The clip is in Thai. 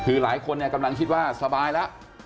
คือหลายคนกำลังคิดว่าสบายแล้ว